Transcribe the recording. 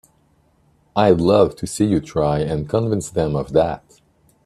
I'd love to see you try and convince them of that!